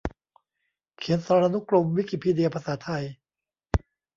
เขียนสารานุกรมวิกิพีเดียภาษาไทย